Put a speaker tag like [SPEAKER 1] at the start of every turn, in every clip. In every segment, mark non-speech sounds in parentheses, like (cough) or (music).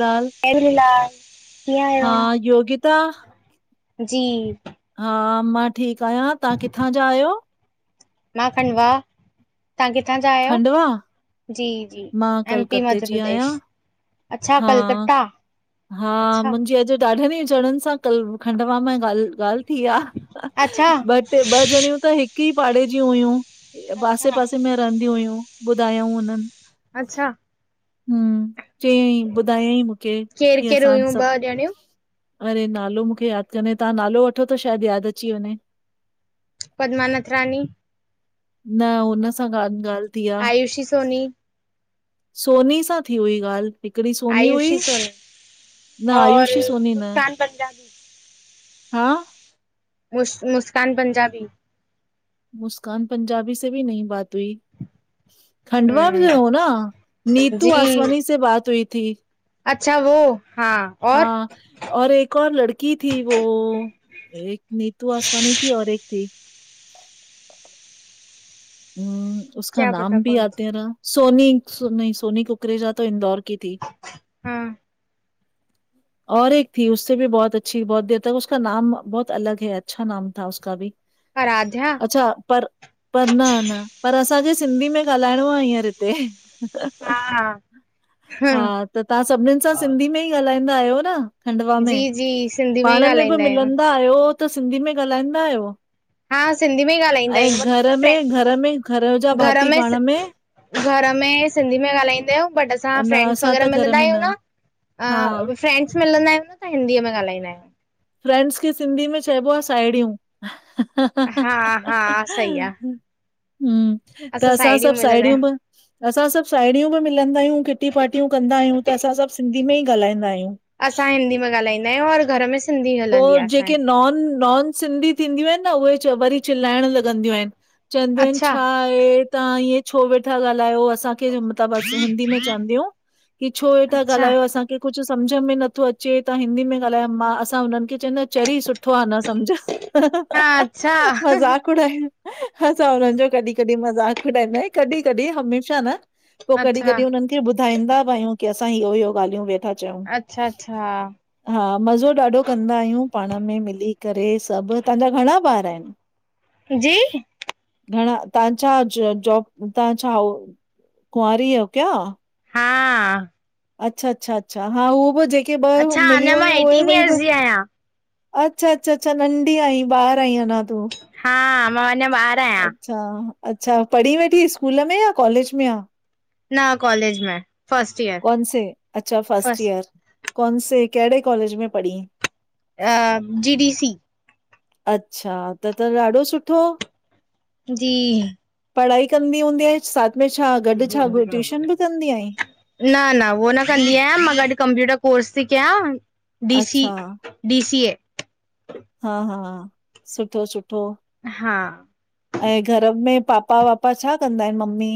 [SPEAKER 1] ॻाल।
[SPEAKER 2] एल्ला।
[SPEAKER 1] हा, योगिता।
[SPEAKER 2] जी।
[SPEAKER 1] हा मां ठीक आयां। तां किथां जा आयो?
[SPEAKER 2] मां खंडवा। तां किथा जा आहियो?
[SPEAKER 1] खंडवा,
[SPEAKER 2] जी। जी,
[SPEAKER 1] मां
[SPEAKER 2] एम पी
[SPEAKER 1] कलकत्ते
[SPEAKER 2] मध्य
[SPEAKER 1] जी आहियां,
[SPEAKER 2] प्रदेश। अच्छा
[SPEAKER 1] हा
[SPEAKER 2] कोलकाता।
[SPEAKER 1] हा, मुंजी अॼ ॾाढनि चढ़न्सा सां कल खंडवा में ॻाल थी आ।
[SPEAKER 2] अच्छा
[SPEAKER 1] ॿ-टे, ॿ जणियूं त हिक ई पाड़े जी हुयूं।
[SPEAKER 2] अच्छा
[SPEAKER 1] पासे-पासे में। रहंदी हुयूं, ॿुधायऊं हुनन्।
[SPEAKER 2] अच्छा।
[SPEAKER 1] हंम चयई ॿुधाऐ मूंखे
[SPEAKER 2] केरु
[SPEAKER 1] की
[SPEAKER 2] केरु
[SPEAKER 1] असां
[SPEAKER 2] हुयूं
[SPEAKER 1] सभ।
[SPEAKER 2] ॿ ॼणियूं?
[SPEAKER 1] अरे, नालो मूंखे यादि काने। तां नालो वठो त शायद मूंखे याद अची वञे।
[SPEAKER 2] पदमा नथरानी।
[SPEAKER 1] न हुन सां गद ॻाल् थी आ।
[SPEAKER 2] आयुषी सोनी,
[SPEAKER 1] सोनी सां थी हुई ॻाल्। हिकड़ी सोनी हुई,
[SPEAKER 2] आयुषी सोनी
[SPEAKER 1] न
[SPEAKER 2] और
[SPEAKER 1] आयुषी सोनी न।
[SPEAKER 2] मुस्कान पंजाबी,
[SPEAKER 1] हा।
[SPEAKER 2] मुस्कान पंजाबी।
[SPEAKER 1] मुस्कान पंजाबी से बि नहीं बात हुई। खंडवा में हो
[SPEAKER 2] हम्म
[SPEAKER 1] न, नीतू
[SPEAKER 2] जी
[SPEAKER 1] आसवानी से बात हुई थी।
[SPEAKER 2] अच्छा वो हा।
[SPEAKER 1] हा, और एक और लड़की थी वो। नीतू आसवानी थी और एक थी। हम्म, उसका
[SPEAKER 2] क्या पता
[SPEAKER 1] नाम भी
[SPEAKER 2] कौन सी
[SPEAKER 1] (unintelligible) सोनी, नहीं सोनी कुकरेजा तो इंदौर की थी।
[SPEAKER 2] हा
[SPEAKER 1] (inaudible) और एक थी उसे भी बहुत अच्छी बहुत देर तक उसका नाम बहुत अलग है, अच्छा नाम था उसका भी
[SPEAKER 2] आराध्या
[SPEAKER 1] अच्छा पर पर न न, पर असांखे सिंधी में ॻाल्हाइणो आहे हींअर हिते।
[SPEAKER 2] हाँ हाँ
[SPEAKER 1] हा, त तव्हां सभिनीनि सां सिंधी में ई ॻाल्हाईंदा आहियो न? खंडवा
[SPEAKER 2] जी
[SPEAKER 1] में,
[SPEAKER 2] जी सिंधी ई
[SPEAKER 1] पाण में बि
[SPEAKER 2] ॻाल्हाईंदा आहियूं
[SPEAKER 1] मिलंदा आहियो त सिंधी में ॻाल्हाईंदा आहियो?
[SPEAKER 2] हा सिंधी में ई ॻाल्हाईंदा आहियूं
[SPEAKER 1] ऐं
[SPEAKER 2] मतिलबु असां
[SPEAKER 1] घर
[SPEAKER 2] फ्रेंड्स
[SPEAKER 1] में, घर में, घर जा भाती पाण में
[SPEAKER 2] घर में सिंधी में ॻाल्हाईंदा आहियू, बट असां
[SPEAKER 1] न
[SPEAKER 2] फ्रेंड्स
[SPEAKER 1] असां
[SPEAKER 2] वग़ैरह
[SPEAKER 1] त घर
[SPEAKER 2] मिलंदा
[SPEAKER 1] में
[SPEAKER 2] आहियूं
[SPEAKER 1] न हा
[SPEAKER 2] न फ्रेंड्स मिलंदा आहियं न, त हिंदीअ में ॻाल्हाईंदा आहियूं।
[SPEAKER 1] फ्रेंड्स खे सिंधी में चइबो आ, साहेड़ियूं ह, ह ह
[SPEAKER 2] हा हा, सही आ।
[SPEAKER 1] हम्म, त असां
[SPEAKER 2] साहेड़ियूं
[SPEAKER 1] सभु
[SPEAKER 2] मिलंदा
[SPEAKER 1] साड़ियूं
[SPEAKER 2] आहियूं
[SPEAKER 1] बि असां सभु साहेड़ियूं बि मिलंदा आहियूं, किटी पार्टियूं कंदा आहियूं, त असां सभु सिंधी में ई ॻाल्हाईंदा आहियूं।
[SPEAKER 2] असां हिंदी में ॻाल्हाईंदा आहियूं, और घर में सिंधी हलंदी आ
[SPEAKER 1] पोइ जेके
[SPEAKER 2] असांजे
[SPEAKER 1] नॉन, नाॅन सिंधी ईंदियूं आहिनि, उहो वरी चिलाइण लॻंदियूं आहिनि, चंवदियूं आहिनि
[SPEAKER 2] अच्छा
[SPEAKER 1] छा हे तव्हां ईअं छो वेठा ॻाल्हायो, असांखे बस हिंदी में चवंदियूं, की छो वेठा
[SPEAKER 2] अच्छा
[SPEAKER 1] ॻाल्हायो असांखे कुझु समझ में नथो अचे, त हिंदी में ॻाल्हायो मां त हुननि खे चेंदा आहिनि, चरी सुठो आ न समझ,
[SPEAKER 2] हा अच्छा
[SPEAKER 1] मजाक पर, असां हुननि जो कॾीं कॾीं मज़ाक उॾाईंदा आहियूं, कॾीं कॾीं हमेशा न पोइ कॾीं
[SPEAKER 2] अच्छा
[SPEAKER 1] कॾीं हुननि खे ॿुधंदा बि आहियूं की असां इहो इहो ॻाल्यूं वेठा चऊं।
[SPEAKER 2] अच्छा अच्छा
[SPEAKER 1] हा, मज़ो ॾाढो कंदा आहियूं पाण में मिली करे सभु, तव्हांजा घणा ॿार आहिनि?
[SPEAKER 2] जी!
[SPEAKER 1] घणा, तव्हां छा जॉब तव्हां छा कुंआरी हो क्या?
[SPEAKER 2] हा
[SPEAKER 1] अच्छा अच्छा अच्छा, हा उहे बि जेके ॿ
[SPEAKER 2] अच्छा अञा
[SPEAKER 1] मिलियूं
[SPEAKER 2] मां
[SPEAKER 1] हुयूं उहे
[SPEAKER 2] एटीन
[SPEAKER 1] ॿई बि
[SPEAKER 2] ईयर्स जी आहियां
[SPEAKER 1] अच्छा, अच्छा अच्छा, नंढी आहीं, ॿार आहीं अञां तूं।
[SPEAKER 2] हा, मां अञां ॿार आहियां।
[SPEAKER 1] अच्छा अच्छा, पढ़ी वेंठी स्कूल में या कॉलेज में आं?
[SPEAKER 2] न कॉलेज में। फस्ट ईयर
[SPEAKER 1] कौनसे? अच्छा फर्स्ट
[SPEAKER 2] फस्ट
[SPEAKER 1] ईयर। कौनसे कहिड़े कॉलेज में पढ़ी आईं?
[SPEAKER 2] अ जी डी सी
[SPEAKER 1] अच्छा, त त ॾाढो सुठो!
[SPEAKER 2] जी!
[SPEAKER 1] पढ़ाई कंदी हूंदीअ, साथ में छा? गॾु छा ट्यूशन बि कंदी आहीं?
[SPEAKER 2] न न उहो न कंदी आहियां, मां गॾु कंप्यूटर कोर्स थी कयां डी सी
[SPEAKER 1] अच्छा
[SPEAKER 2] डी सी ए
[SPEAKER 1] हा हा, सुठो सुठो
[SPEAKER 2] हा।
[SPEAKER 1] ऐं घर में पापा वापा छा कंदा आहिनि, मम्मी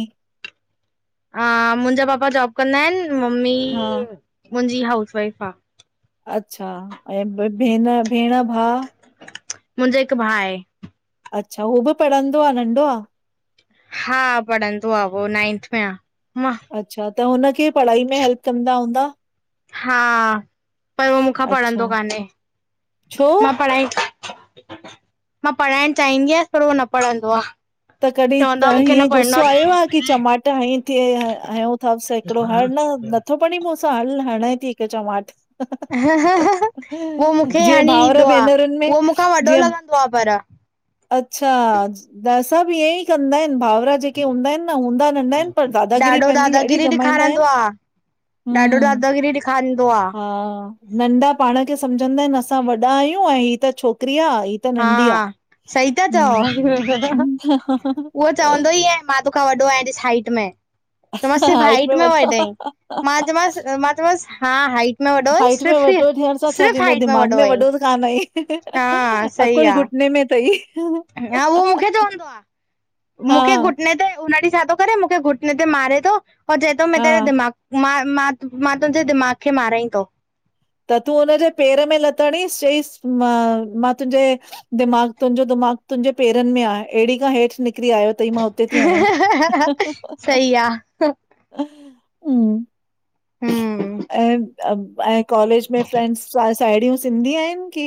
[SPEAKER 2] हा, मुंहिंजा पापा जॉब कंदा आहिनि, मम्मी
[SPEAKER 1] हा
[SPEAKER 2] मुंहिंजी हाउस वाइफ आ।
[SPEAKER 1] अच्छा ऐं भेण भेण भाउ
[SPEAKER 2] मुंहिंजे हिकु भाउ आहे।
[SPEAKER 1] अच्छा हू बि पढ़ंदो आ, नंढो आ?
[SPEAKER 2] हा पढ़ंदो आ, उहो नाइंथ में आ। मां
[SPEAKER 1] अच्छा, त हुनखे पढ़ाई में हेल्प कंदा हूंदा?
[SPEAKER 2] हा, पर उहो मूंखां पढ़ंदो
[SPEAKER 1] अच्छा
[SPEAKER 2] कान्हे।
[SPEAKER 1] छो?
[SPEAKER 2] मां पढ़ाई मां पढ़ाइण चाहींदी आहियसि, पर उहो न पढ़ंदो आ।
[SPEAKER 1] त कॾीं त हीअं गुस्सो आयो आ, की चमाट हई थि हययों तसि, हिकिड़ो हर न नथो (unintelligible) हणें थी हिके चमाट
[SPEAKER 2] उहो मूंखे
[SPEAKER 1] जीअं
[SPEAKER 2] हणी
[SPEAKER 1] भाउर
[SPEAKER 2] ॾींदो आ,
[SPEAKER 1] भेनरुनि में
[SPEAKER 2] उहो मूंखां वॾो
[SPEAKER 1] जीअं
[SPEAKER 2] लॻंदो आ पर
[SPEAKER 1] अच्छा, द सभ ईअं ई कंदा आहिनि भाउर जेके हूंदा आहिनि न, हूंदा नंढा आहिनि पर दादागिरी
[SPEAKER 2] ॾाढो
[SPEAKER 1] पंहिंजी अहिड़ी
[SPEAKER 2] दादागिरी
[SPEAKER 1] जमाईंदा
[SPEAKER 2] ॾेखारंदो
[SPEAKER 1] आहिनि
[SPEAKER 2] आ, ॾाढो
[SPEAKER 1] हम्म।
[SPEAKER 2] दादागिरी ॾेखारीईंदो आ
[SPEAKER 1] हा नंढा पाण खे समझंदा आहिनि असां वॾा आहियूं ऐं हीअ त छोकिरी आ, हीअ त
[SPEAKER 2] हा,
[SPEAKER 1] नंढी आ।
[SPEAKER 2] सही था चओ।
[SPEAKER 1] हं हं
[SPEAKER 2] उहो चवंदो ई आहे मां तोखां वॾो आयां ॾिस हाइट में त मां सिर्फ़ हाइट में वॾो आएं, मां चयोमास मां चयोमांस, हा हाइट में वॾो आहीं
[SPEAKER 1] हाइट में
[SPEAKER 2] सिर्फ़
[SPEAKER 1] वॾो थियण सां छा
[SPEAKER 2] सिर्फ़
[SPEAKER 1] थींदो,
[SPEAKER 2] हाइट
[SPEAKER 1] दिमाग़ में वॾो
[SPEAKER 2] आहीं,
[SPEAKER 1] त कान आईं।
[SPEAKER 2] हा सही
[SPEAKER 1] अकुल
[SPEAKER 2] आ,
[SPEAKER 1] घुटने में तई।
[SPEAKER 2] हा उहो मूंखे चवंदो आ,
[SPEAKER 1] हा,
[SPEAKER 2] मूंखे घ हुन ॾींहुं छा थो करे, मूंखे घुटन ते मारे थो और चए थो मैं तेरे
[SPEAKER 1] हा।
[SPEAKER 2] दिमाग़ मां, मां मां तुंहिंजे दिमाग़ खे मारायएं थो।
[SPEAKER 1] त तूं हुनजे पेर में लत हणीस, चईसि मां, मां तुंहिंजे दिमाग़ तुंहिंजो, दिमाग़ तुंहिंजे पैरनि में आ ऐडी खां हेठि निकिरी आयो तई मां उते थी हणएं।
[SPEAKER 2] सही आ हम्म
[SPEAKER 1] (unintelligible) कॉलेज में फ्रेंंड्स साहेड़ियूं सिंधी आहिनि की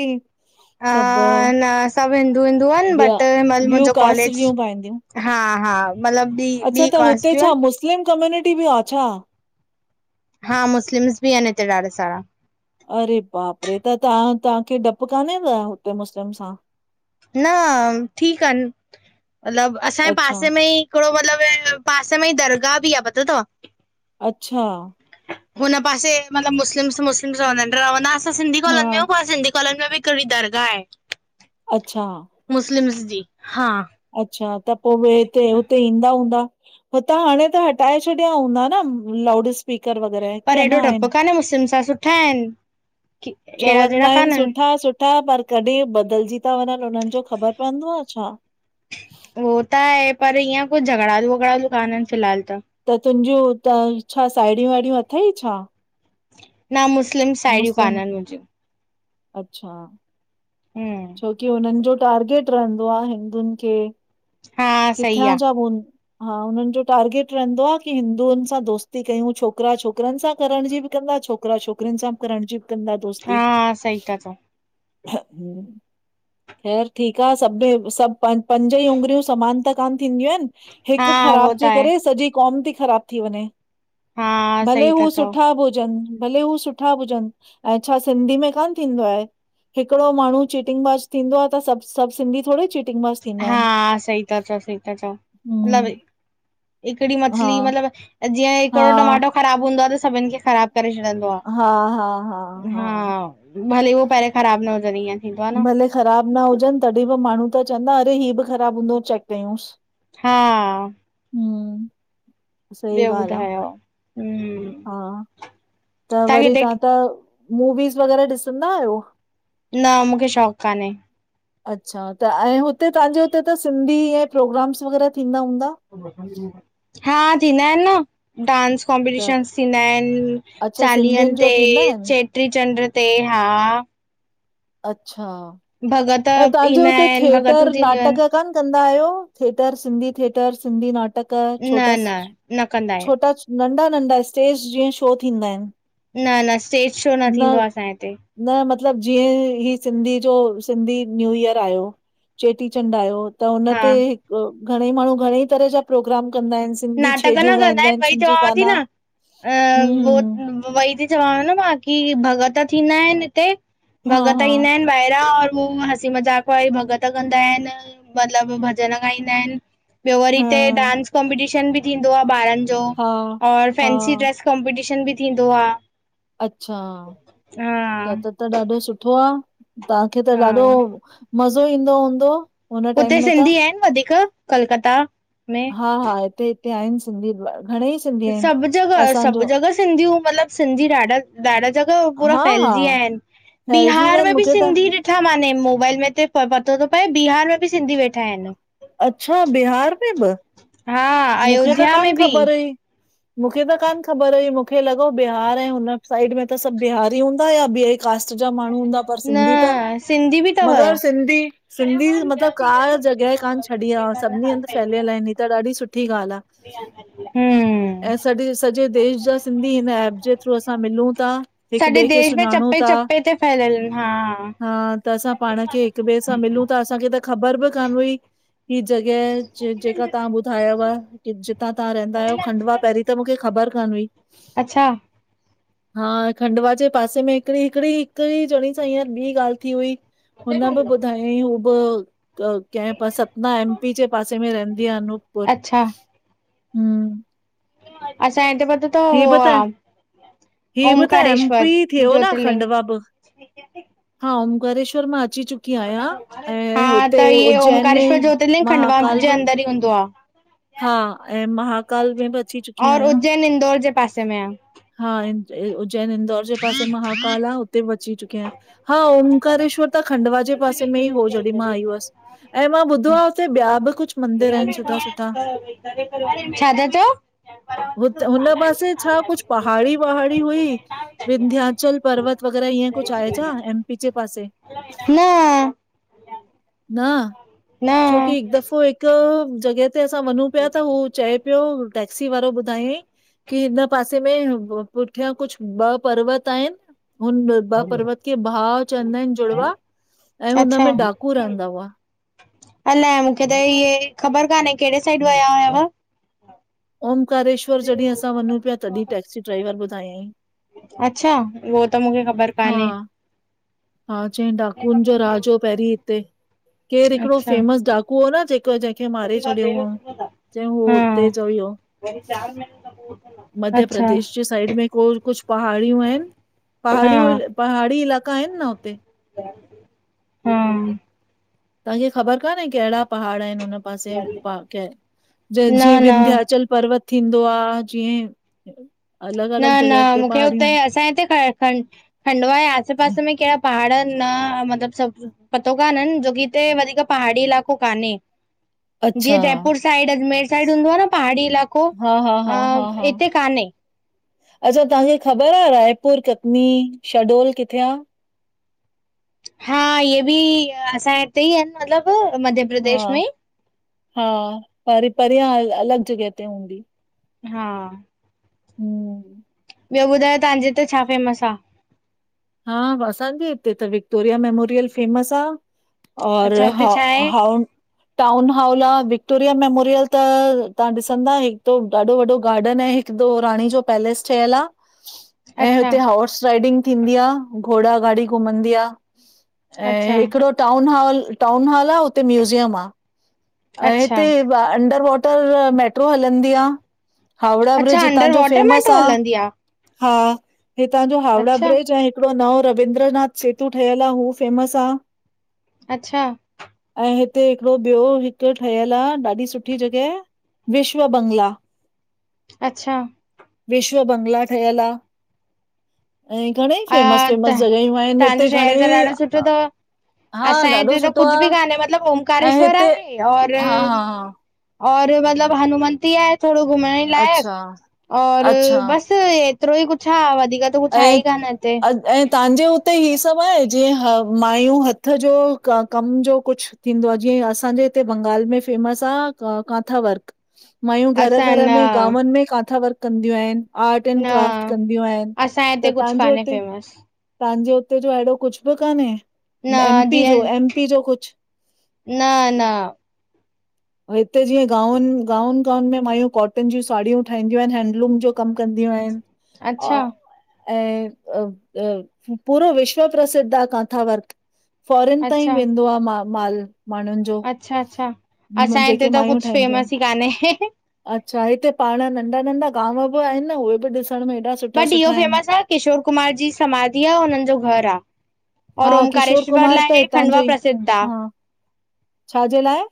[SPEAKER 2] अ
[SPEAKER 1] सभु
[SPEAKER 2] न, सभु हिंदू हिंदू आहिनि,
[SPEAKER 1] ॿिया
[SPEAKER 2] बट म
[SPEAKER 1] ॿियूं
[SPEAKER 2] मुंहिंजो
[SPEAKER 1] कास्ट
[SPEAKER 2] कॉलेज
[SPEAKER 1] जूं पाईंदियूं
[SPEAKER 2] हा हा, मतिलब
[SPEAKER 1] अच्छा, त हुते छा मुस्लिम कम्यूनिटी बि आ छा?
[SPEAKER 2] हा, मुस्लिम्स बि आहनि हिते ॾाढा सारा।
[SPEAKER 1] अरे बापरे! त ता तांखे डपु कान्हे, अ हुते मुस्लिम सां?
[SPEAKER 2] न ठीकु आन मतलब, असांजे
[SPEAKER 1] अच्छा
[SPEAKER 2] पासे में ई थोड़ो मतलबु पासे में ई दरगाह बि आ, पतो तव?
[SPEAKER 1] अच्छा
[SPEAKER 2] हुन पासे मतलब, मुस्लिम्स, मुस्लिमस रहंदा आहिन, रहंदा असां सिंधी
[SPEAKER 1] हा
[SPEAKER 2] कॉलोनी में आहियूं, पर सिंधी काॅलोनी में बि हिकड़ी दरगाह आहे।
[SPEAKER 1] अच्छा।
[SPEAKER 2] मुस्लिम्स जी, हा।
[SPEAKER 1] अच्छा, त पो बि हिते हुते ईंदा हूंदा? हूतां हाणे त हटाए छॾिया हूंदा न लाउडस
[SPEAKER 2] पर एॾो डपु कान्हें, मुसिल्म सां, सुठा एन।
[SPEAKER 1] चवंदा आइन सुठा सुठा, पर कॾी बदलजी ता वञन उनन जो ख़बर पौंदो आ छा?
[SPEAKER 2] उहो त आहे, पर, इअं कुछ झगड़ालू वगड़ालू कानन, फिलहाल त।
[SPEAKER 1] त, तुंजयूं त छा साहेड़यूं वाहेड़यूं अथई छा?
[SPEAKER 2] न मुस्लिम साहिड़यूं
[SPEAKER 1] मुस्लिम?
[SPEAKER 2] काननि मुंजूं,
[SPEAKER 1] अच्छा
[SPEAKER 2] हूं
[SPEAKER 1] छोकी, उनन जो टार्गेट रहंदो आ, हिंदुन खे,
[SPEAKER 2] हा सही
[SPEAKER 1] किथां
[SPEAKER 2] आ
[SPEAKER 1] जा हू अन? हा हुनन जो टारगेट रहंदो आ, की हिंदुन सां दोस्ती कयूं, छोकरा छोकरन सां करण जी बि कंदा, छोक छोकरा छोकरिन सां बि करणजी बि कंदा, दोस्ती।
[SPEAKER 2] हा सही था चओ
[SPEAKER 1] ख़ैरु ठीक आ, सभ में, सभ पं पंज ई उङर्यूं समान त कान थींदयूं एन।
[SPEAKER 2] हा
[SPEAKER 1] हिक
[SPEAKER 2] उहो
[SPEAKER 1] ख़राब
[SPEAKER 2] त
[SPEAKER 1] जे
[SPEAKER 2] आहे
[SPEAKER 1] करे सॼी कौम ती खराब थी वञे,
[SPEAKER 2] हा
[SPEAKER 1] भले
[SPEAKER 2] सही था
[SPEAKER 1] हू
[SPEAKER 2] चओ
[SPEAKER 1] सुठा बि हुजन‌, भले हू सु सुठा बि हुजन, अएं छा सिंधी में कान थींदो आहे, हिकड़ो माण्हूं चीटिंग बाज़ थींदो आ, त सभ, सभ सिंधी थोड़ी ची
[SPEAKER 2] हा, सई ता चौ, सई ता चौ, उन बि
[SPEAKER 1] हम्म
[SPEAKER 2] हिकड़ी
[SPEAKER 1] हा
[SPEAKER 2] मछली मतलब, जीअं
[SPEAKER 1] हा
[SPEAKER 2] हिकड़ो टमाटो ख़राब हूंदो आ, त सभिन खे ख़राब करे छॾन
[SPEAKER 1] हा हा, हा हा
[SPEAKER 2] भले हू, पहिरे ख़राब न हुजन हींअर।
[SPEAKER 1] भले ख़राब न हुजन, तॾी बि माण्हूं त चैंदा, अरे ही बि ख़राब हूंदो चैक कयूंस।
[SPEAKER 2] हा
[SPEAKER 1] हूं, सही
[SPEAKER 2] ॿियो
[SPEAKER 1] ॻाल्ह
[SPEAKER 2] ॿुधायो हम्म
[SPEAKER 1] आ, हा त
[SPEAKER 2] तव्हां
[SPEAKER 1] वरी
[SPEAKER 2] किथे
[SPEAKER 1] तां त, मूवीस वग़ैरह ॾिसंदायो?
[SPEAKER 2] न, मूखे शौंक़ कान्हें।
[SPEAKER 1] अच्छा, त अएं हुते तहांजे हुते त सिंधी ए प्रोग्राम्स वग़ैरा थींदा हूंदा?
[SPEAKER 2] हा, थींदा आहिन न, डांस
[SPEAKER 1] त
[SPEAKER 2] कॉम्पिटीशन्स थींदा एन,
[SPEAKER 1] अच्छा
[SPEAKER 2] चालीहन
[SPEAKER 1] सिंधियुनि जो
[SPEAKER 2] ते,
[SPEAKER 1] थींदा आहिनि?
[SPEAKER 2] चे चेट्री चंड्र ते, हा।
[SPEAKER 1] अच्छा
[SPEAKER 2] भॻत
[SPEAKER 1] अएं, तांजे
[SPEAKER 2] ईंदा
[SPEAKER 1] उते
[SPEAKER 2] आहिनि भॻतूं
[SPEAKER 1] थिएटर
[SPEAKER 2] थींदियूं
[SPEAKER 1] नाटक
[SPEAKER 2] आहिनि
[SPEAKER 1] कान कंदा आयो, थिएटर सिंधी थिएटर सिंधी नाटक? नाटक,
[SPEAKER 2] न
[SPEAKER 1] छोटा
[SPEAKER 2] न न कंदा आहियूं
[SPEAKER 1] छोटा, नंढा नंढा स्टेज जीअं शो थींदा आहिन।
[SPEAKER 2] न न, स्टेज शो न थींदो आ, असांजे हिते।
[SPEAKER 1] न, मतलब जीएं ही सिंधी जो सिंधी न्यू ईयर आयो, चेटीचंड आयो त हुन तेे
[SPEAKER 2] हा
[SPEAKER 1] घणेईं माण्हूं, घणेईं तरह जा, प्रोग्राम कंदा आइन सिं
[SPEAKER 2] नाटक न कंदा एन, वई चवांव ती न,
[SPEAKER 1] हम्म
[SPEAKER 2] वो
[SPEAKER 1] हम्म
[SPEAKER 2] वई तो चवांव न, ब की भॻत थींदा एन हिते,
[SPEAKER 1] हा
[SPEAKER 2] भॻत
[SPEAKER 1] हा
[SPEAKER 2] ईंदा एन। पहिरां और हू हसी मज़ाक वारी भॻत कंदा एन। मतलब भॼन गाईंदा एन, ॿयो वरी हिते
[SPEAKER 1] हा
[SPEAKER 2] डांस कॉम्पिटीशन बि थींदो आ ॿारन जो जो,
[SPEAKER 1] हा
[SPEAKER 2] और
[SPEAKER 1] हा
[SPEAKER 2] फैंसी ड्रेस कॉम्पिटीशन बि थींदो आ।
[SPEAKER 1] अच्छा त त त, ॾाढो सुठो आ, तांखे त
[SPEAKER 2] हा
[SPEAKER 1] ॾाढो, मज़ो ईंदो हूंदव? हुन टाइम
[SPEAKER 2] हुते
[SPEAKER 1] में त,
[SPEAKER 2] सिंधी आहिनि वधीक कलकत्ता में
[SPEAKER 1] हा हा इते हिते आहिन सिंधी, घणेईं सिं
[SPEAKER 2] सभ जॻह, सभ जॻह, सिंधयूं मतलब सिंधी ॾाढा, ॾाढा जॻह पूरा
[SPEAKER 1] हा हा
[SPEAKER 2] फ़ैल्जी व्या एन,
[SPEAKER 1] फैलिजी विया
[SPEAKER 2] बिहार
[SPEAKER 1] आहिनि
[SPEAKER 2] में बि
[SPEAKER 1] मूंखे त
[SPEAKER 2] सिंधी डिठा माने मोबाइल में त पतो तो पए, बिहार में बि सिंधी वेठा आहिनि
[SPEAKER 1] अच्छा बिहार में ब
[SPEAKER 2] हा
[SPEAKER 1] मुखें त
[SPEAKER 2] अयोध्या
[SPEAKER 1] कान
[SPEAKER 2] में बि
[SPEAKER 1] ख़बर हुई, मूखें त कान ख़बर हुई मुखें लॻो बिहार ऐं हुन साइड में त सब बिहारी हूंदा, या ॿिए कास्ट जा माण्हू हूंदा पर
[SPEAKER 2] न
[SPEAKER 1] सिंधी त,
[SPEAKER 2] सिंधी बि अथव
[SPEAKER 1] मगर सिंधी सिंधी मतलबु का जगह कान छॾी आ, सभिनी हंद फैलियल आहिनि, हिय त ॾाढी सुठी ॻाल्हि आह
[SPEAKER 2] हम्म
[SPEAKER 1] ऐं सड सॼे देश जा सिंधी हिन एप जे थ्रू असां मिलूं ता हिक
[SPEAKER 2] सॼे
[SPEAKER 1] बे खे
[SPEAKER 2] देश में
[SPEAKER 1] सुञाणूं
[SPEAKER 2] चपे
[SPEAKER 1] था,
[SPEAKER 2] चपे ते फैलियल आहिनि
[SPEAKER 1] हा त असां पाण खे हिक ॿे सां मिलूं ता असांखे त ख़बर बि कान हुई, ही जॻेह जेका तव्हां बुधायव पर जितां तव्हां रहंदा आहयो खंडवा पेहरीं त मूंखे ख़बर कान हुई
[SPEAKER 2] अच्छा
[SPEAKER 1] हा खंडवा जे पासे में हिकड़ी- हिकिड़ी, हिकड़ी जणी सां हिंयं ॿी ॻाल् थी हुई। हुन बि ॿुधायो हुअईं हू ब् त कें सतना एम पी जे पासे में रहंदी आ अनूप पुर
[SPEAKER 2] अच्छा
[SPEAKER 1] ह्म
[SPEAKER 2] असाएं इते पतो तव हो
[SPEAKER 1] बि
[SPEAKER 2] आ
[SPEAKER 1] त ही बि त एम पी थ्यो न
[SPEAKER 2] ज्योतिर्लिंग
[SPEAKER 1] खंडवा ब् हा ओंकारेश्वर मां अची चुक की आहियां ऐं
[SPEAKER 2] हा
[SPEAKER 1] हुते
[SPEAKER 2] त इहे
[SPEAKER 1] उज्जैन में महाकाल बि
[SPEAKER 2] तडी वेंदो आह
[SPEAKER 1] हा ऐं महाकाल में ब्
[SPEAKER 2] और उज्जैन इंदौर जे पासे में आह
[SPEAKER 1] हा उज्जैन इंदौर जे पासे महाकाल आ उते बि अची चुकी आहियां, हा ओंकारेश्वर त खंडवा जे पासे में ही हो, जॾहिं मां आई हुअसि ऐं मां ॿुधो आहे उते ॿिया बि कुझु मंदिर आहिन सुठा- सुठा
[SPEAKER 2] छा था चओ?
[SPEAKER 1] हुन पासे छा कुझ पहाड़ी- वहाड़ी हुई, विंध्याचल पर्वत वगेरह ईहें कुछ आहे छा? एम पी जेे पासे में
[SPEAKER 2] न
[SPEAKER 1] न, छोकी
[SPEAKER 2] न
[SPEAKER 1] हिकु दफ़ो क्यो हिकु जॻह ते असां वनु पिया त हू चए पियो टैक्सी वारो ॿुधायईं की हिन पासे में पुठियां कुझ ॿ पर्वत आहिनि हुन (unintelligible) ॿ पर्वत के भाव चवंदा आहिन जुड़वा, ऐं
[SPEAKER 2] अच्छा
[SPEAKER 1] हुनमें डाकू रहंदा हुआ
[SPEAKER 2] अलाए मूंखे त ईहे ख़बर कान्हे, केड़े साइड वया हुयव
[SPEAKER 1] ओंकारेश्वर जॾहिं असां वञूं प्या, तॾहिं टैक्सी ड्राइवर ॿुधायई
[SPEAKER 2] अच्छा उहो त मूंखे ख़बर
[SPEAKER 1] हा
[SPEAKER 2] कान्हे
[SPEAKER 1] हा चयईं डाकून जो राज हो पहिंरीं हिते केर हिकड़ो
[SPEAKER 2] अच्छा
[SPEAKER 1] फेमस डाकू हो न जेको जे खे मारे छॾियो हुअऊं, चयऊं हू हुते जो ई हुयो
[SPEAKER 2] वरी चार मिनट त पोइ
[SPEAKER 1] मध्य प्रदेश जे साइड में कोई कुझ पहाड़ियूं आहिनि
[SPEAKER 2] हा
[SPEAKER 1] पहाड़ियूं, पहाड़ी इलाका आहिनि न हुते
[SPEAKER 2] हम्म्
[SPEAKER 1] तव्हांखे ख़बर कान्हे, केहड़ा पहाड़ आहिन हुते पासे पा कें, जीअं
[SPEAKER 2] न
[SPEAKER 1] विंध्याचल पर्वत थींदो आहे जीअं अलॻि
[SPEAKER 2] न
[SPEAKER 1] अलॻि
[SPEAKER 2] न
[SPEAKER 1] जॻह ते
[SPEAKER 2] मूंखे
[SPEAKER 1] पहाड़ियूं
[SPEAKER 2] हुते
[SPEAKER 1] आहिनि
[SPEAKER 2] असाएँ हिते खंडवा ए आसे- पासे में केड़ा पहाड़ न मतलबु सभु पतो कान्हनि, छो की हिते वधीक पहाड़ी इलाक़ो कान्हे
[SPEAKER 1] (inaudible)
[SPEAKER 2] जीअं जयपुर साइड अजमेर साइड हूंदो आ न पहाड़ी इलाक़ो,
[SPEAKER 1] हा हा हा हा हा
[SPEAKER 2] इते कान्हें
[SPEAKER 1] अच्छा तव्हांखे ख़बर आ रायपुर कटनी शहडोल किथे आ?
[SPEAKER 2] हा इहे बि असांजे हिते ई आहिन मतलब मध्य
[SPEAKER 1] हा
[SPEAKER 2] प्रदेश में
[SPEAKER 1] हा पर परियां अल अलॻ जॻह ते हूंदी।
[SPEAKER 2] हा।
[SPEAKER 1] हूं।
[SPEAKER 2] ॿयो ॿुधायो तहांजे हिते छा फेमस आ?
[SPEAKER 1] हा असांजे हिते त विक्टोरिया मेमोरियल फेमस आ। और
[SPEAKER 2] अच्छा
[SPEAKER 1] हा
[SPEAKER 2] हुते छा आहे
[SPEAKER 1] हाउ टाउन हॉल आ विक्टोरिया मेमोरियल त तहां ॾिसंदा हिक तो ॾाढो वॾो गार्डन आहे। हिक दो राणी जो पैलेस ठयल आ। ऐं
[SPEAKER 2] अच्छा
[SPEAKER 1] हुते होर्स राइडिंग थींदी आ घोड़ा ॻाॾी घुमंदी आ। ऐं
[SPEAKER 2] अच्छा
[SPEAKER 1] हिकड़ो टाउन हाल, टाउन हाल आ हुते म्यूज़ियम आ। ऐं
[SPEAKER 2] अच्छा
[SPEAKER 1] हिते अंडर वॉटर मेट्रो हलंदी आ। हावड़ा
[SPEAKER 2] अच्छा
[SPEAKER 1] ब्रिज
[SPEAKER 2] अंडर
[SPEAKER 1] तांजो
[SPEAKER 2] वॉटर
[SPEAKER 1] फेमस
[SPEAKER 2] मेट्रो
[SPEAKER 1] आ।
[SPEAKER 2] हलंदी
[SPEAKER 1] हा ही तांजो हावड़ा
[SPEAKER 2] अच्छा
[SPEAKER 1] ब्रिज ऐं हिकड़ो नओं रविन्द्रनाथ सेतु ठयल आ हू फेमस आ।
[SPEAKER 2] अच्छा।
[SPEAKER 1] ऐं हिते हिकड़ो ॿियो उत ठयल आ ॾाढी सुठी जॻह विश्व बंगला।
[SPEAKER 2] अच्छा।
[SPEAKER 1] विश्व बंगला ठयल आ। अईं घणेई
[SPEAKER 2] अ
[SPEAKER 1] फेमस
[SPEAKER 2] त
[SPEAKER 1] फेमस जॻहियूं आहिन हिते
[SPEAKER 2] तव्हांजो शहर त
[SPEAKER 1] घणेई
[SPEAKER 2] ॾाढो सुठो तव
[SPEAKER 1] हा
[SPEAKER 2] असांजे
[SPEAKER 1] ॾाढो
[SPEAKER 2] हिते त
[SPEAKER 1] सुठो
[SPEAKER 2] कुझु बि
[SPEAKER 1] आ
[SPEAKER 2] कान्हे मतिलबु
[SPEAKER 1] ऐं
[SPEAKER 2] ओमकारेश्वर
[SPEAKER 1] हिते
[SPEAKER 2] आहे और
[SPEAKER 1] हा हा हा
[SPEAKER 2] और मतलब हनुमंती आहे। थोड़ो घुमाएण जे लाइक़
[SPEAKER 1] अच्छा
[SPEAKER 2] और
[SPEAKER 1] अच्छा
[SPEAKER 2] बस एतरो ई कुछ आ वधीक त त कुछ आहे
[SPEAKER 1] ऐं
[SPEAKER 2] ई कान। हिते
[SPEAKER 1] अ- ऐं तहांजे हुते ही सभ आहे जीअं ह मायूं हथ जो कम जो कुछ? थींदो आ? जीअं असांजे हिते बंगाल में फेमस आ कांथा वर्क। मायूं घर
[SPEAKER 2] असां
[SPEAKER 1] घर
[SPEAKER 2] न
[SPEAKER 1] में गांवन में काथां वर्क कंदियूं आहिन। आर्ट ऐंड
[SPEAKER 2] न
[SPEAKER 1] क्राफ्ट कंदियूं आहिन।
[SPEAKER 2] असांजे
[SPEAKER 1] त
[SPEAKER 2] हिते कुझु
[SPEAKER 1] तहांजे
[SPEAKER 2] कान्हे
[SPEAKER 1] हुते
[SPEAKER 2] फेमस
[SPEAKER 1] तहांजे हुते जो अहिड़ो कुछ बि कान्हे?
[SPEAKER 2] न
[SPEAKER 1] एमपी जो
[SPEAKER 2] जीअं
[SPEAKER 1] एमपी जो कुछ?
[SPEAKER 2] न न
[SPEAKER 1] हिते जीअं गाऊन गाऊन गाउन में मायूं कॉटन जूं साड़ियूं ठाहीदियूं आहिन। हैंडलूम जो कम कदियूं आहिन औ
[SPEAKER 2] अच्छा
[SPEAKER 1] ऐं अ अ पूरो विश्व प्रसिद्ध आ काथा वर्क। फॉरन ताईं
[SPEAKER 2] अच्छा
[SPEAKER 1] वेंदो आ मा माल माण्हुन
[SPEAKER 2] अच्छा अच्छा असांजे हिते त
[SPEAKER 1] मायूं
[SPEAKER 2] कुछ
[SPEAKER 1] ठाहींदियूं
[SPEAKER 2] फेमस ई
[SPEAKER 1] आहिनि।
[SPEAKER 2] कान्हे।
[SPEAKER 1] अच्छा हिते पाण नंढा नंढा गांव बि आहिन न उहे बि ॾिसण में हेॾा
[SPEAKER 2] बट इहो फेमस आ किशोर कुमार जी समाधी आ। हुनन जो घर आ। और
[SPEAKER 1] हा किशोर
[SPEAKER 2] ओमकारेश्वर
[SPEAKER 1] कुमार
[SPEAKER 2] लाए
[SPEAKER 1] त
[SPEAKER 2] हे
[SPEAKER 1] हितां जो
[SPEAKER 2] खंडवा
[SPEAKER 1] ई
[SPEAKER 2] प्रसिद्ध आ।
[SPEAKER 1] हा छाजे लाए?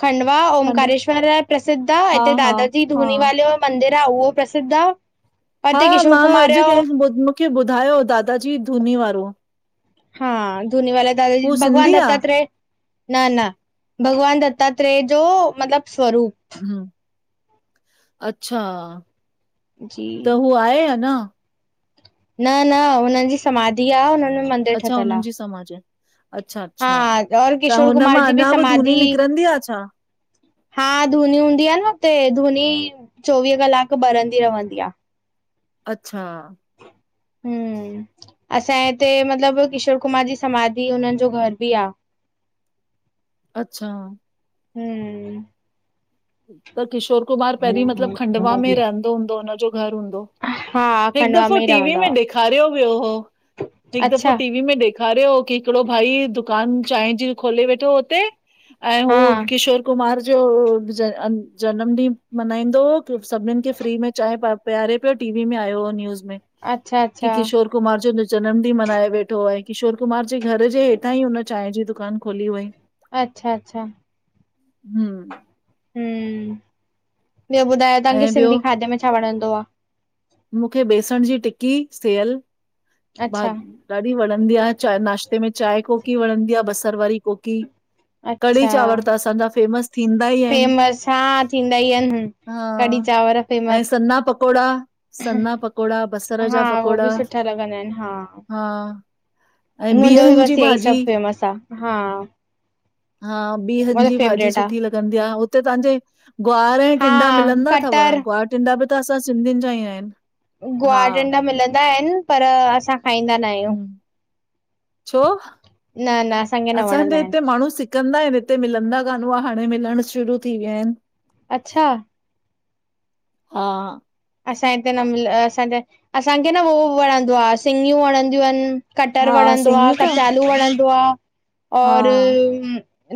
[SPEAKER 2] खंडवा
[SPEAKER 1] खंडु
[SPEAKER 2] ओमकारेश्वर लाए प्रसिद्ध आ
[SPEAKER 1] हा
[SPEAKER 2] हिते
[SPEAKER 1] हा
[SPEAKER 2] दादा जी
[SPEAKER 1] हा
[SPEAKER 2] धूनी वालो मंदिर आ उहो प्रसिद्ध आ।
[SPEAKER 1] हा मां अॼ केह मुखे ॿुधायो दादाजी धूनी वारो।
[SPEAKER 2] हा धूनी वाले दादाजी,
[SPEAKER 1] हू सिंधी
[SPEAKER 2] भॻवान
[SPEAKER 1] आ?
[SPEAKER 2] दत्तात्रे। न न भगवान दत्तात्रे जो मतलब स्वरू
[SPEAKER 1] हू, अच्छा
[SPEAKER 2] जी
[SPEAKER 1] त हू आहे अंञा?
[SPEAKER 2] न न हुननि जी समाधी आ, हुननि में मन
[SPEAKER 1] अच्छा हुननि जी समाज है। अच्छा अच्छा,
[SPEAKER 2] हा और
[SPEAKER 1] त
[SPEAKER 2] किशोर
[SPEAKER 1] हुन
[SPEAKER 2] कुमार
[SPEAKER 1] मां
[SPEAKER 2] जी
[SPEAKER 1] अंञा बि धुनी
[SPEAKER 2] समाधि
[SPEAKER 1] निकरंदी आ छा?
[SPEAKER 2] हा धूनी हूंदी आ न हुते, धूनी चोवींह कलाकु बरंदी रहंदी आ।
[SPEAKER 1] अच्छा
[SPEAKER 2] हम्म, असांजे हिते मतिलबु किशोर कुमार जी समाधि हुननि जो घर ॿि आ।
[SPEAKER 1] अच्छा
[SPEAKER 2] हम्म
[SPEAKER 1] त किशोर कुमार पहिरीं मतिलबु खंडवा में रहंदो हूंदो, हुनजो घर हूंदो? हिकु
[SPEAKER 2] खंडवा
[SPEAKER 1] दफ़ो
[SPEAKER 2] ई
[SPEAKER 1] टीवी
[SPEAKER 2] रहंदा
[SPEAKER 1] में
[SPEAKER 2] हुआ
[SPEAKER 1] ॾेखारियो वियो हो, हिकु दफ़ो
[SPEAKER 2] अच्छा
[SPEAKER 1] टीवी में ॾे ॾेखारियो हो कि हिकिड़ो भाई दुकान चांय जी खोले वेठो हो हुते, ऐं हू
[SPEAKER 2] हा
[SPEAKER 1] किशोर कुमार जो ॾिस जअ जनम ॾींहुं मनाईंदो हो, सभिनीनि खे फ्री में चांय प पियारे पयो टी-वी में आयो हो न्यूज़ में
[SPEAKER 2] अच्छा
[SPEAKER 1] कि
[SPEAKER 2] अच्छा
[SPEAKER 1] किशोर कुमार जो जनम ॾींहुं मनाए वेठो, ऐं किशोर कुमार जे घर जे हेठा ई हुन चांय जी दुकान खोली हुअई।
[SPEAKER 2] अच्छा अच्छा
[SPEAKER 1] हू
[SPEAKER 2] हम्म, ॿियो ॿुधाय तव्हांखे
[SPEAKER 1] ऐं ॿियो
[SPEAKER 2] सिंधी खाधे में छा वणंदो आ?
[SPEAKER 1] मूंखे बेसण जी टिकी सेयल भा
[SPEAKER 2] अच्छा
[SPEAKER 1] ॾाढी वणंदी आ, चांय नाश्ते में चांय कोकी वणंदी आ बसरु वारी कोकी। कढ़ी
[SPEAKER 2] अच्छा
[SPEAKER 1] चांवर त असांजा फेमस थींदा ई आहिनि,
[SPEAKER 2] फेमस हा थींदा ई आहिनि कढ़ी
[SPEAKER 1] हा
[SPEAKER 2] चांवर
[SPEAKER 1] ऐं
[SPEAKER 2] फेमस
[SPEAKER 1] सना पकोड़ा। सन्ना पकोड़ा बसर
[SPEAKER 2] हा
[SPEAKER 1] जा
[SPEAKER 2] हो
[SPEAKER 1] पकोड़ा
[SPEAKER 2] बि सुठा लॻंदा आहिनि, हा।
[SPEAKER 1] हा ऐं
[SPEAKER 2] मुंजो ॿि
[SPEAKER 1] बीहनि जी
[SPEAKER 2] बस हियइ
[SPEAKER 1] भाॼी
[SPEAKER 2] सब फेमस आ, हा।
[SPEAKER 1] हा, ॿीहन
[SPEAKER 2] मुंहिंजो
[SPEAKER 1] जी भाॼी
[SPEAKER 2] फेवरेट आ
[SPEAKER 1] सुठी लॻंदी आ, हुते तव्हांजे ग्वार ग्वार,
[SPEAKER 2] हा
[SPEAKER 1] टिंडा मिलंदा थव
[SPEAKER 2] कटर
[SPEAKER 1] ग्वार, टिंडा बि त असां सिंधियुनि जा ई आहिन। हा
[SPEAKER 2] ग्वार, टिंडा मिलंदा आहिनि पर असां खाईंदा न आहियूं
[SPEAKER 1] छो,
[SPEAKER 2] न न असांखे न
[SPEAKER 1] असांजे
[SPEAKER 2] वणंदा आहिनि
[SPEAKER 1] हिते माण्हू सिक कंदा आहिनि, हिते मिलंदा कानि हुआ हाणे मिलण शुरू थी विया आहिनि।
[SPEAKER 2] अच्छा
[SPEAKER 1] हा
[SPEAKER 2] असां हिते न मिल, असांजे, असांखे न उहो वणंदो आ सिंगियूं वणंदियूं आहिनि। कटर
[SPEAKER 1] हा
[SPEAKER 2] वणंदो आ,
[SPEAKER 1] सिंगियूं त
[SPEAKER 2] कचालू वणंदो आ।
[SPEAKER 1] हा
[SPEAKER 2] और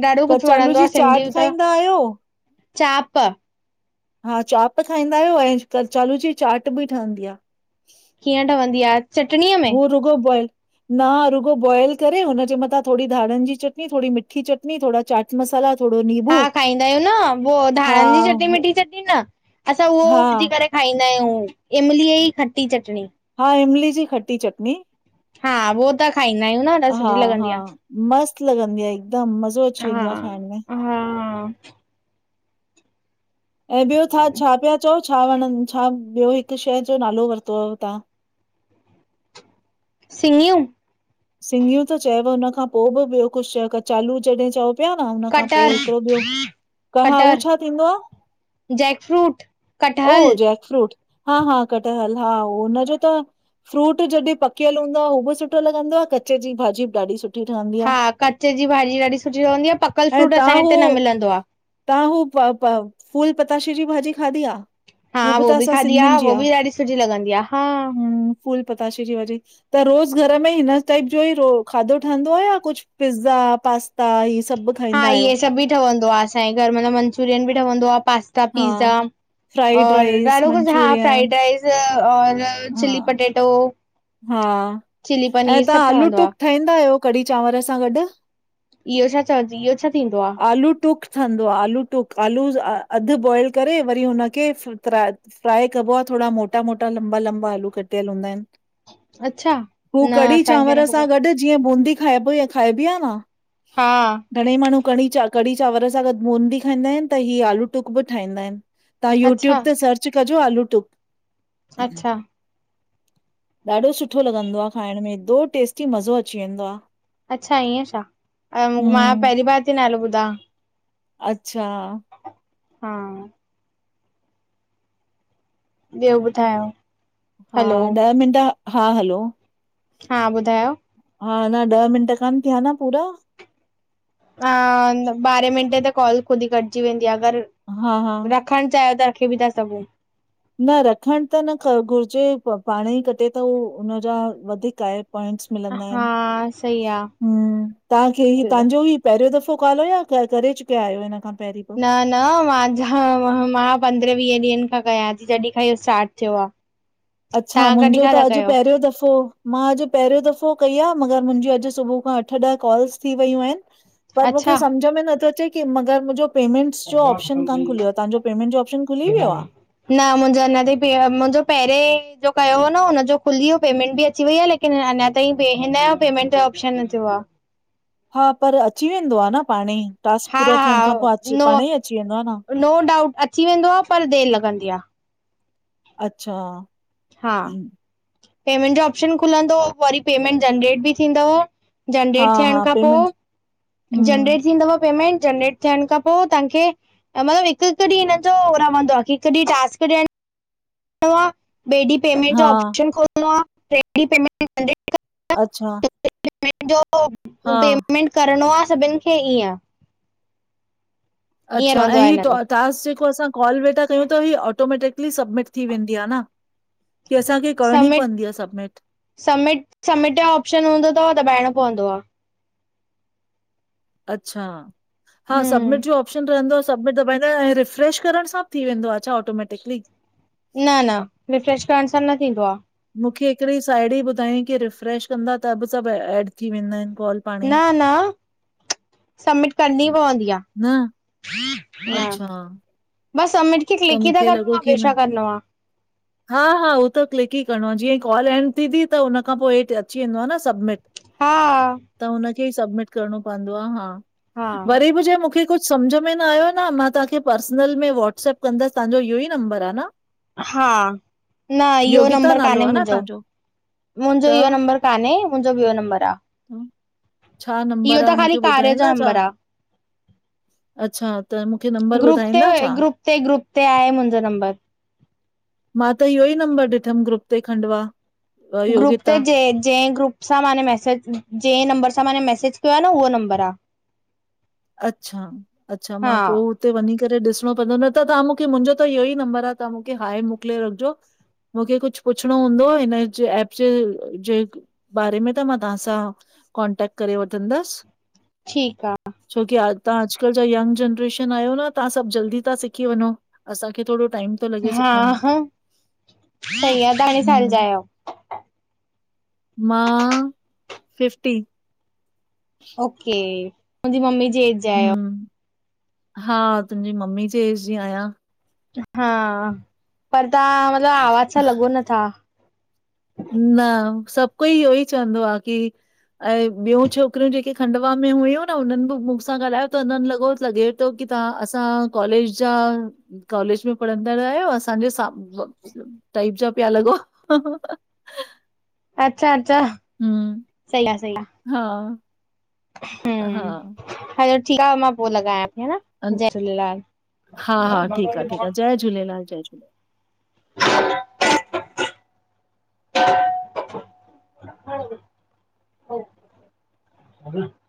[SPEAKER 2] ॾाढो कुझु
[SPEAKER 1] कचालू
[SPEAKER 2] वणंदो
[SPEAKER 1] जी
[SPEAKER 2] आ
[SPEAKER 1] चाट
[SPEAKER 2] सिंधीयूं त।
[SPEAKER 1] खाईंदा आहियो?
[SPEAKER 2] चाप
[SPEAKER 1] हा चाप खाईंदा आहियूं, ऐं कचालू जी चाट ॿि ठहंदी आ।
[SPEAKER 2] कीअं ठवंदी आ? चटणीअ में
[SPEAKER 1] हू रुगो बॉईल न रुगो बॉइल करे हुनजे मथां थोडी धाणनि जी चटनी, थोडी मिठी चटनी, थोडा चाट मसाला थोरो नीबू
[SPEAKER 2] हा खाईंदा आहियूं न वो
[SPEAKER 1] हा
[SPEAKER 2] धाणनि जी चटनी, मिट्ठी चटनी न, असां उहो विझी
[SPEAKER 1] हा
[SPEAKER 2] करे खाइंदा आहियूं, इमलीअ ई खटी चटणी।
[SPEAKER 1] हा, इमली जी खट्टी चटनी
[SPEAKER 2] हा वो तक खाईंदा आहियूं न ॾाढी
[SPEAKER 1] हा
[SPEAKER 2] सुठी लॻंदी
[SPEAKER 1] हा
[SPEAKER 2] आ।
[SPEAKER 1] मस्त लॻंदी आ हिकदमि मज़ो अची
[SPEAKER 2] हा
[SPEAKER 1] वेंदो आ खाइण में।
[SPEAKER 2] हा
[SPEAKER 1] ऐं ॿियो छा छा पिया चओ छा वणनि छा ॿियो हिकु शय जो नालो वरितो हुअव तहा?
[SPEAKER 2] सिञियूं
[SPEAKER 1] सिंञियूं त चयबो हुनख खां पो बि ॿियो कुछ चओ कचालू जॾहिं चओ पया न हुन खां पो
[SPEAKER 2] कटर
[SPEAKER 1] हिकड़ो ॿियो क उहो
[SPEAKER 2] कटर
[SPEAKER 1] छा थींदो आ?
[SPEAKER 2] जैकफ्रूट, कटहल।
[SPEAKER 1] ओ जैक फ्रूट, हा हा कठहल हा हुन जो त फ्रूट जॾहिं पकियल हूंदो आ हू बि सुठो लॻंदो आ कचे जी भाॼी बि ॾाढी सुठी ठहंदी आ।
[SPEAKER 2] हा कचे जी भाॼी ॾाढी सुठी ठहंदी आ, पकल फ्रूट असांजे हिते न मिलंदो आ।
[SPEAKER 1] तव्हां हू प फूल पताशे जी भाॼी खाधी आ?
[SPEAKER 2] हा
[SPEAKER 1] हू बि
[SPEAKER 2] वो
[SPEAKER 1] त
[SPEAKER 2] ॿि
[SPEAKER 1] असां
[SPEAKER 2] खादी आ
[SPEAKER 1] सिंधियुनि जी
[SPEAKER 2] वो ॿि ॾाढी सुठी लॻंदी आ हा
[SPEAKER 1] हम्म फूल पताशे जी भाॼी त रोज़ घर में हिन टइप जो ही रोज खादो ठहंदो आ या कुछ पिज़्ज़ा पास्
[SPEAKER 2] हा इहे सब ॿि ठहंदो आ असांजे घर मतलब मंचुरियन ॿि ठहंदो आ पास्त ता
[SPEAKER 1] हा
[SPEAKER 2] पिज़्ज़ा
[SPEAKER 1] फ्राइड
[SPEAKER 2] और
[SPEAKER 1] राइस,
[SPEAKER 2] ॾाढो कुछ हा
[SPEAKER 1] मंचूरियन
[SPEAKER 2] फ्राइड राइस। त और
[SPEAKER 1] हा
[SPEAKER 2] चिल्ली पटेटो
[SPEAKER 1] हा
[SPEAKER 2] चिली
[SPEAKER 1] ऐं
[SPEAKER 2] पनीर सभ
[SPEAKER 1] तव्हां आलू
[SPEAKER 2] ठवंदो आ,
[SPEAKER 1] टुक ठाहींदा आहियो कढ़ी चांवंर सां गॾु?
[SPEAKER 2] इहो छा चवज इहो छा थींदो आ?
[SPEAKER 1] आलू टुक ठंन्दो आ आलू टुक आलू ज़ अधु बॉइल करे वरी हुनखे फिराए। फ्राए कॿो आ थोड़ा मोटा मोटा लंबा लंबा आलू कटियल हुंदा इनि।
[SPEAKER 2] अच्छा
[SPEAKER 1] हू
[SPEAKER 2] न
[SPEAKER 1] कड़ी
[SPEAKER 2] असांखे
[SPEAKER 1] चांवर
[SPEAKER 2] न
[SPEAKER 1] सां
[SPEAKER 2] ख़बर,
[SPEAKER 1] गॾु जीअं बूंदी खाइॿो आ खाइॿी आ न
[SPEAKER 2] हा
[SPEAKER 1] घंणंई माण्हूँ कड़ी चा कड़ी चावर सां गॾु बूंदी खाईंदा हिनि त ही आलू टुक ॿि ठाहींदा ईन। तहां
[SPEAKER 2] अच्छा
[SPEAKER 1] यूट्यूब ते सर्च कजो आलू टुक।
[SPEAKER 2] अच्छा
[SPEAKER 1] ॾाढो सुठो लॻंदो आ खाइंण में एॾो टेस्टी मज़ो अची वेंदो आ।
[SPEAKER 2] अच्छा ईअं छा मां
[SPEAKER 1] हम्म
[SPEAKER 2] पहिरीं बार ती नालो ॿुधां।
[SPEAKER 1] अच्छा
[SPEAKER 2] हा ॿियो ॿुधायो?
[SPEAKER 1] हा
[SPEAKER 2] हलो
[SPEAKER 1] ॾह मिंट हा हलो
[SPEAKER 2] हा ॿुधायो
[SPEAKER 1] हा अञा ॾह मिंट कान थिया न पूरा?
[SPEAKER 2] हा ॿारहें मिंटें ते कॉल ख़ुद ही कटिजी वेंदी आ अगर-
[SPEAKER 1] हा हा
[SPEAKER 2] रखण चाहियो त रखे ॿि ता सघुं।
[SPEAKER 1] न रखण त न ख घुरिजे पाण ही कटे तो उनजा वधीक आहे प्वाइंट्स। मिलन्दा
[SPEAKER 2] हा
[SPEAKER 1] इन
[SPEAKER 2] सही आहे
[SPEAKER 1] हम्म तव्हांखे ही तव्हांजो ही पहिरियों दफ़ो काल आ या करे चुकिया आहियो इन खां? पहिरीं बि?
[SPEAKER 2] न न मांझा मां पंद्रहें वीह ॾींहंनि खां कयां थी जॾहिं खां इहो स्टार्ट थियो आ।
[SPEAKER 1] अच्छा मुंजो त अॼु पहिरियों दफ़ो मां अॼु पहिरियों दफ़ो कई आ मगर मुंजी अॼु सुबुह खां अठ ॾह कॉल्स थी वयूं आहिनि। पर मुखे
[SPEAKER 2] अच्छा
[SPEAKER 1] समझ में नथो अचे की मगर, मुंजो पेमेंटस जो ऑपशन कान खुलियो आ तव्हांजो पेमेंट जो ऑपशन खुली वियो आ?
[SPEAKER 2] न मुंहिंॼो अंञां ताइ पे मुंहिंॼो पहिरें ॼो कयो हो न उनजो खुली व्यो पेमेंट ॿि अची वई आ लेकि की न अंञां ताईं पे हिनॼो पेमेंट ऑप्शन न थियो आ।
[SPEAKER 1] हा पर अची वेंदो आ न पाणेंई टास्क
[SPEAKER 2] हा
[SPEAKER 1] पूरा
[SPEAKER 2] हा
[SPEAKER 1] थियंण खां पो अच्
[SPEAKER 2] नो
[SPEAKER 1] पाणंई अची वेंदो आ न,
[SPEAKER 2] नो डाउट अची वेंदो आ पर देरि लॻंदी आ,
[SPEAKER 1] अच्छा,
[SPEAKER 2] हा पेमेंट जो ऑप्शन खुलंदो वरी पेमेंट जनरेट ॿि थींदव
[SPEAKER 1] हा
[SPEAKER 2] जनरेट थियण
[SPEAKER 1] हा
[SPEAKER 2] खां पो
[SPEAKER 1] पेमेंट हम्म,
[SPEAKER 2] जनरेट थींदव पेमेंट जनरेट थियण खां पो तव्हांखे मतिलब हिकु- हिकु ॾींहुं हिन जो रहंदो आ कि हिकु ॾींहुं टास्क ॾियण आ ॿे ॾीह पेमेंट जो
[SPEAKER 1] हा
[SPEAKER 2] ऑप्शन खोलणो आ ट्रे ॾीह पेमेंट जनरेट कंदा
[SPEAKER 1] अच्छा,
[SPEAKER 2] पेमेंट
[SPEAKER 1] हा
[SPEAKER 2] जो पेमेंट करिणो आ सभिनि खे ईअं, ईअं
[SPEAKER 1] अच्छा ऐं
[SPEAKER 2] रहंदो आ
[SPEAKER 1] ही
[SPEAKER 2] हिन जो
[SPEAKER 1] टास्क जेको असां कॉल वेठा ता कयूं त ही ऑटोमैटिकली सबमिट थी वेंदी आ न। कि असांखे करणीं पवंदी आ सबमिट?
[SPEAKER 2] सबमिट- सबमिट जो ऑप्शन हूंदो तव दॿाइणों पवंदो आ,
[SPEAKER 1] अच्छा हा सबमिट
[SPEAKER 2] हम्म
[SPEAKER 1] जो ऑप्शन रहंदो आ सबमिट दॿाइंदा, ऐं रिफ्रेश करण सां बि थी वेंदो आ छा ऑटोमैटिकली?
[SPEAKER 2] न न रिफ्रेश करण सां न थींदो आ,
[SPEAKER 1] मूंखे हिकिड़ी साइड़ी ॿुधाईं की रिफ्रेश कंदा त बि सभु एड थी वेंदा आहिनि कॉल, पाणे
[SPEAKER 2] न
[SPEAKER 1] ई,
[SPEAKER 2] न सबमिट करणी पवंदी आ।
[SPEAKER 1] न,
[SPEAKER 2] न,
[SPEAKER 1] अच्छा
[SPEAKER 2] बस सबमिट खे क्लिक ई त
[SPEAKER 1] मूंखे
[SPEAKER 2] करणो
[SPEAKER 1] लॻो
[SPEAKER 2] आ
[SPEAKER 1] की
[SPEAKER 2] ॿियो
[SPEAKER 1] न
[SPEAKER 2] छा करण आ,
[SPEAKER 1] हा हा हूहो त क्लिक ई करिणो आं जीअं कॉल एंड थींदी त हुन खां पो हेठ अची वेंदो आ न सबमिट।
[SPEAKER 2] हा।
[SPEAKER 1] त हुनखे ई सबमिट करणो पवंदो आ हा
[SPEAKER 2] हा।
[SPEAKER 1] वरी बि छाए मूंखे कुछ सम्झ में नायो न मां तव्हांखे पर्सनल में व्हाट्सप कंदसि तव्हांजो इयो ई नंबर आ न?
[SPEAKER 2] हा, न इहो
[SPEAKER 1] योगिता
[SPEAKER 2] नंबर
[SPEAKER 1] नालो
[SPEAKER 2] कान्हे
[SPEAKER 1] आ न
[SPEAKER 2] मुंहिंजो।
[SPEAKER 1] तव्हांजो?
[SPEAKER 2] मुंहिंजो इहो
[SPEAKER 1] त
[SPEAKER 2] नंबर कान्हे, मुंहिंजो ॿियों नंबर आ,
[SPEAKER 1] छा
[SPEAKER 2] इहो
[SPEAKER 1] नंबर आ,
[SPEAKER 2] त ख़ाली
[SPEAKER 1] मूंखे
[SPEAKER 2] कार्य
[SPEAKER 1] ॿुधाईंदा
[SPEAKER 2] जो
[SPEAKER 1] छा?
[SPEAKER 2] नंबर आ।
[SPEAKER 1] अच्छा त मूंखे नंबर ॿुधाईंदा?
[SPEAKER 2] ए
[SPEAKER 1] छा?
[SPEAKER 2] ग्रुप ते ग्रुप ते आहे मुंहिंजो नंबर,
[SPEAKER 1] मां त इहो ई नंबर ॾिठमि, ग्रुप ते खंडवा।
[SPEAKER 2] ग्रुप ते
[SPEAKER 1] योगिता
[SPEAKER 2] जें जें ग्रुप सां माने मेसेज जंहिं नंबर सां माने मेसेज कयो आ न उहो नबर आ।
[SPEAKER 1] अच्छा, अच्छा मां
[SPEAKER 2] हा,
[SPEAKER 1] पोइ हुते वञी करे ॾिसणो पवंदो, न त तव्हां मूंखे मुंहिंजो त इहो ई नंबर आ, ता मूंखे हाए मोकिले रखिजो, मूंखे कुछ पुछणो हूंदो आ हिनजे एप जे जे बारे में त मां तव्हांसां, कॉन्टेक्ट करे वठंदसि।
[SPEAKER 2] ठीकु आ।
[SPEAKER 1] छोकी तव्हां अॼुकल्ह जा यंग जनरेशन आहियो, न तव्हां सभु जल्दी ता सिखी वञो। असांखे थोड़ो टाइम थो लॻे
[SPEAKER 2] हा
[SPEAKER 1] सिखण में,
[SPEAKER 2] ह, सही आ घणे साल जा
[SPEAKER 1] हम्म,
[SPEAKER 2] आहियो?
[SPEAKER 1] मां, फिफ्टी।
[SPEAKER 2] ओके, मुंहिंजी मम्मी जी एज़ जा आयो।
[SPEAKER 1] हम्म, हा तुंहिंजी मम्मी, जी ऐज़ जी आहियां।
[SPEAKER 2] हा, पर तव्हां मतलब आवाज सां लॻो नथा।
[SPEAKER 1] न सभ कोई इहो ई चवंदो आ की,। ऐं ॿियूं छोकिरियूं जेके खंडवा में हुयूं न हुननि बि मूंसां ॻाल्हायो त उन्हनि लॻो लॻे। तो की तव्हां, असां कॉलेज जा कॉलेज में पढ़ंदड़ आयो असांजे स, टाइप जा पिया लॻो।
[SPEAKER 2] अचछा, अचछा
[SPEAKER 1] हम्म,
[SPEAKER 2] सही आ सही आ।
[SPEAKER 1] हा!
[SPEAKER 2] हूं,
[SPEAKER 1] हा,
[SPEAKER 2] हलो ठीक आ मां पो लॻायां थी, हा।
[SPEAKER 1] अन-
[SPEAKER 2] जय झूलेलाल।
[SPEAKER 1] झूेलालय जय झूलेल (inaudible)
[SPEAKER 2] (unintelligible)